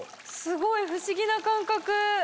すごい不思議な感覚。